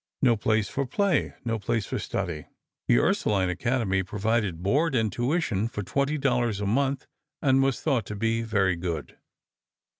No place for play, no place for study. The Ursuline Academy provided board and tuition for twenty dollars a month, and was thought to be very good.